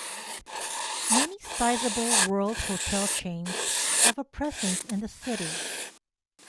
Many sizable world hotel chains have a presence in the city.